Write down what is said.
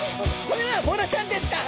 これはボラちゃんですか！？